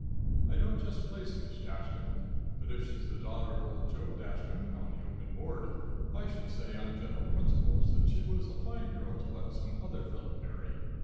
I don't just place Miss Dashkam, but if she's the daughter of old Job Dashkam, on the open Board, I should say, on general principles, that she was a fine girl to let some other fellow marry.